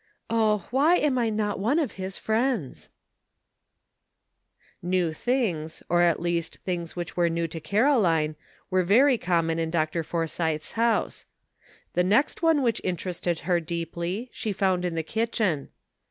Oh ! why am I not one of his friends ?'* New things, or at least things which were new to Caroline, were very common in Dr. For sythe*s house. The next one which interested her deeply she found in the kitchen.